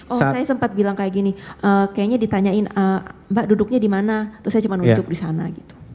oh saya sempat bilang kayak gini kayaknya ditanyain mbak duduknya di mana terus saya cuma nunjuk di sana gitu